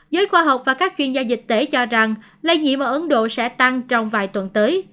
giới khoa học và các chuyên gia dịch tễ cho rằng lây nhiễm ở ấn độ sẽ tăng trong vài tuần tới